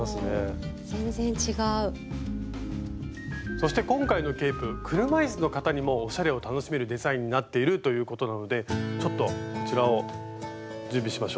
そして今回のケープ車いすの方にもおしゃれを楽しめるデザインになっているということなのでちょっとこちらを準備しましょう。